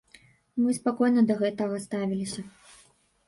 Мы спакойна да гэтага ставіліся.